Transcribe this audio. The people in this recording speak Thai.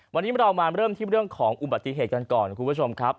วันนี้เรามาเริ่มที่เรื่องของอุบัติเหตุกันก่อนคุณผู้ชมครับ